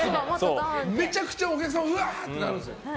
めちゃくちゃお客さんもウワー！ってなるんですよ。